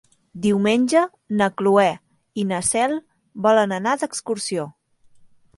Diumenge na Cloè i na Cel volen anar d'excursió.